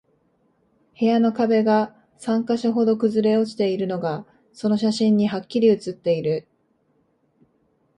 部屋の壁が三箇所ほど崩れ落ちているのが、その写真にハッキリ写っている